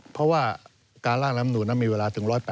เพราะว่าการร่างลมามนุนมีเวลาถึง๑๘๐วัน